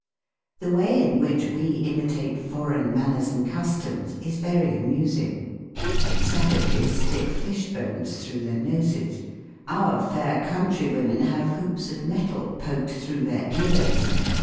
The way in which we imitate foreign manners and customs is very amusing. Savages stick fish bones tlu'ough their noses ; our fair countrywomen have hoops of metal poked through their ears.